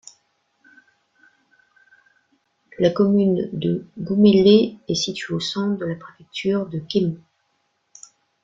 La commune de Ngoumbélé est située au centre de la préfecture de Kémo.